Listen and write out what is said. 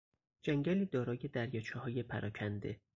جنگلی دارای دریاچههای پراکنده